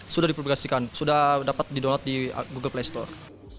sudah dipublikasikan sudah dapat di download di google play store